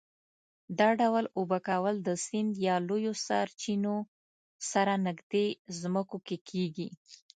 دا ډول اوبه کول د سیند یا لویو سرچینو سره نږدې ځمکو کې کېږي.